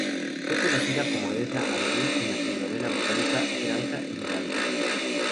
Fue conocida como Edna Abedul en la telenovela británica "Granja Emmerdale".